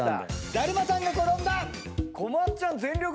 「だるまさんが転んだ」